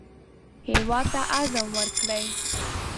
هېواد ته عزم ورکړئ